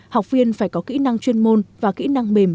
học viên phải có kỹ năng chuyên môn và kỹ năng mềm